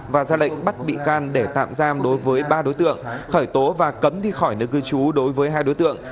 và ra lệnh bắt bị can để tạm giam đối với ba đối tượng khởi tố và cấm đi khỏi nơi cư trú đối với hai đối tượng